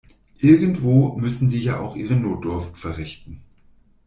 Irgendwo müssen die ja auch ihre Notdurft verrichten.